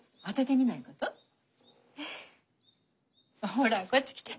ほらこっち来て。